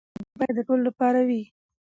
پرېکړې باید د ټولو لپاره وي